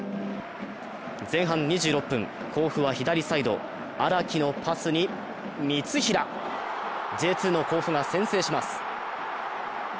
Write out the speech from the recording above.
前半２６分、甲府は左サイド荒木のパスに三平、Ｊ２の甲府が先制します。